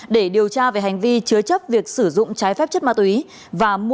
để điều tra về hành vi chứa chấp việc sử dụng trái phép chất ma túy và mua bán trái phép chất ma túy